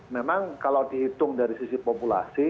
memang kalau dihitung dari sisi populasi